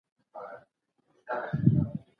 هغه مهارتونه ترلاسه کړي دي.